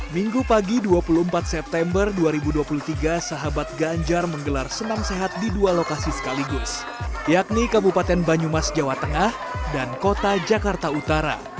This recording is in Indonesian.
minggu pagi dua puluh empat september dua ribu dua puluh tiga sahabat ganjar menggelar senam sehat di dua lokasi sekaligus yakni kabupaten banyumas jawa tengah dan kota jakarta utara